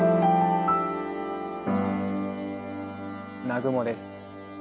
南雲です。